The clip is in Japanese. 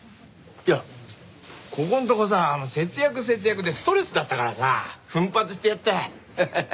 いやここんとこさ節約節約でストレスだったからさ奮発してやったよ！ハハハ。